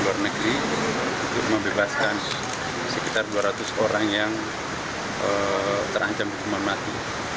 keluar negeri untuk membebaskan sekitar dua ratus orang yang terancam untuk mematuhi